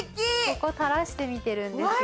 ここ垂らしてみてるんです今。